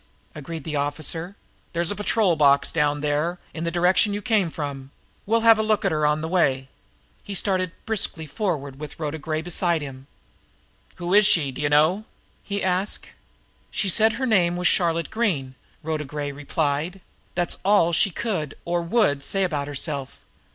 agreed the officer. "There's a patrol box down there in the direction you came from. We'll have a look at her on the way." He started briskly forward with Rhoda Gray beside him. "Who is she d'ye know?" he asked. "She said her name was Charlotte Green," Rhoda Gray replied. "That's all she could, or would, say about herself."